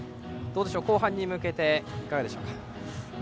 後半に向けてはいかがでしょうか。